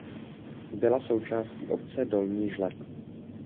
Byla součástí obce Dolní Žleb.